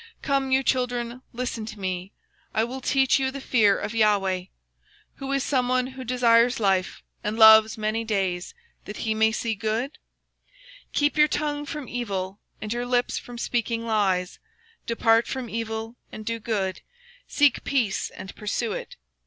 Come, ye children, hearken unto me: I will teach you the fear of the LORD. What man is he that desireth life, And loveth many days, that he may see good? Keep thy tongue from evil, And thy lips from speaking guile. Depart from evil, and do good; Seek peace, and pursue it.